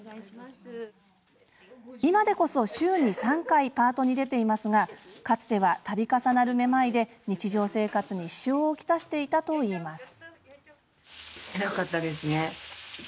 今でこそ週に３回パートに出ていますが、かつてはたび重なるめまいで、日常生活に支障を来していたといいます。